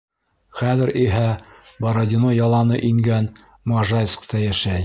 Хәҙер иһә Бородино яланы ингән Можайскта йәшәй.